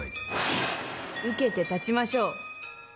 受けて立ちましょう。